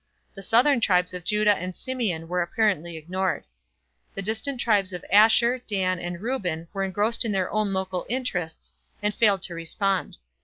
The southern tribes of Judah and Simeon were apparently ignored. The distant tribes of Asher, Dan and Reuben were engrossed in their local interests and failed to respond.